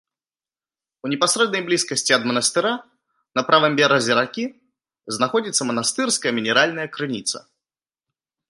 У непасрэднай блізкасці ад манастыра, на правым беразе ракі, знаходзіцца манастырская мінеральная крыніца.